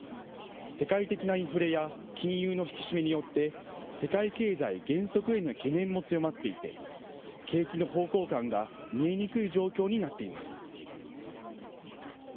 世界的なインフレや金融の引き締めによって世界経済減速への懸念も強まっていて景気の方向感が見えにくい状況になっています。